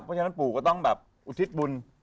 เพราะฉะนั้นปู่ก็ต้องแบบอุทิศบุญ